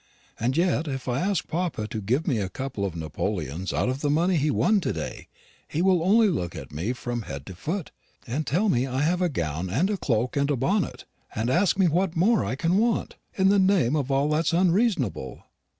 And yet if I ask papa to give me a couple of napoleons out of the money he won to day, he will only look at me from head to foot, and tell me I have a gown and a cloak and a bonnet, and ask me what more I can want, in the name of all that is unreasonable?